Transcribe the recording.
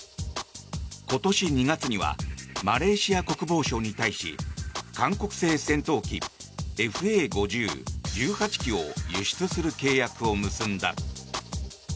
今年２月にはマレーシア国防省に対し韓国製戦闘機ＦＡ５０１８機を輸出する契約を結んだ。